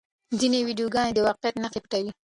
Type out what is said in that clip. ځینې ویډیوګانې د واقعیت نښې پټوي.